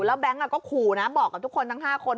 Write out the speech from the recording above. แล้วแบงค์ก็ขู่นะบอกกับทุกคนทั้ง๕คน